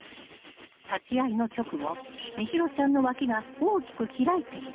［立ち合いの直後心優ちゃんの脇が大きく開いている］